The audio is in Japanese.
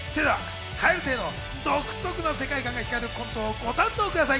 蛙亭の独特な世界観が光るコントをご堪能ください。